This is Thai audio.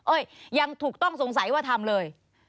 ยังถูกต้องสงสัยว่าทำเลย